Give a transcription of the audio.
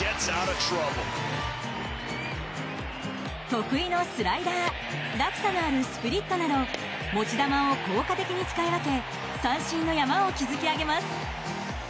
得意のスライダー落差のあるスプリットなど持ち球を効果的に使い分け三振の山を築き上げます。